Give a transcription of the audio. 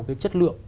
cái chất lượng